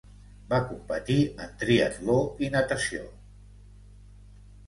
Va competir en triatló i natació.